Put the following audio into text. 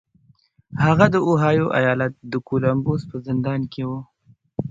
هغه د اوهايو ايالت د کولمبوس په زندان کې و.